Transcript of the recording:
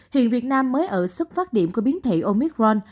hiện việt nam mới ở xuất phát điểm của biến thể omicron